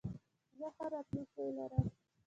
زه ښه راتلونکې لرم.